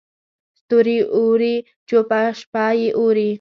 ستوري یې اوري چوپه شپه یې اوري